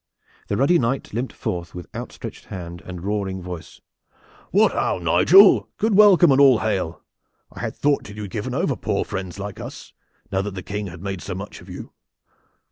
The ruddy Knight limped forth with outstretched hand and roaring voice "What how, Nigel! Good welcome and all hail! I had thought that you had given over poor friends like us, now that the King had made so much of you.